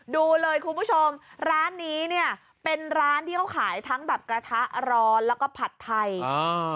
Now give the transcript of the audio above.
ดูเลยคุณผู้ชมร้านนี้เนี่ยเป็นร้านที่เขาขายทั้งแบบกระทะร้อนแล้วก็ผัดไทยอ่า